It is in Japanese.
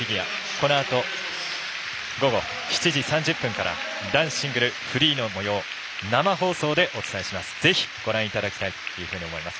このあと、午後７時３０分から男子シングルフリーのもようを生放送でお伝えします。